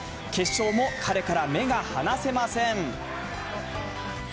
決勝も彼から目が離せません。